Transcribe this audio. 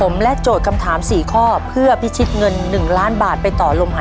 เมียพี่มีชุซักท่อนหนึ่งไม่ได้เหรอคะ